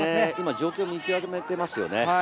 状況を見極めていますよね。